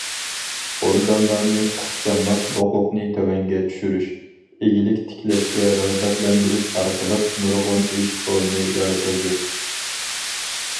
ئورگانلارنى ئىخچاملاپ ھوقۇقنى تۆۋەنگە چۈشۈرۈش، ئىگىلىك تىكلەشكە رىغبەتلەندۈرۈش ئارقىلىق، نۇرغۇن ئىش ئورنى يارىتىلدى.